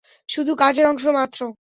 শুধু কাজের অংশ মাত্র।